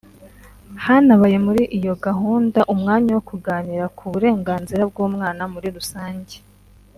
Hanabaye muri iyo gahunda umwanya wo kuganira ku burenganzira bw’umwana muri rusange